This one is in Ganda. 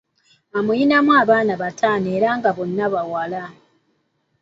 Amulinamu abaana bataano era nga bonna bawala.